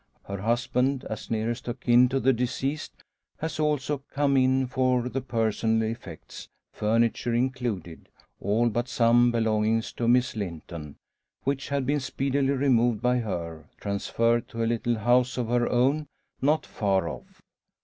Her husband, as nearest of kin to the deceased, has also come in for the personal effects, furniture included; all but some belongings of Miss Linton, which had been speedily removed by her transferred to a little house of her own, not far off.